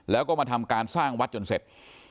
แล้วก็มาทำการสร้างวัดจนเสร็จ